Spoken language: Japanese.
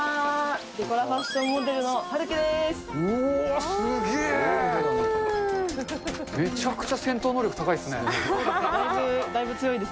デコラファッションモデルのはるきゅです。